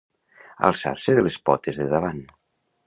Alçar-se de les potes de davant.